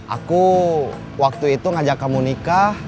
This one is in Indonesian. aku waktu itu ngajak kamu nikah